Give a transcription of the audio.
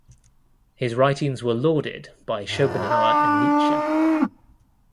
His writings were lauded by Schopenhauer and Nietzsche.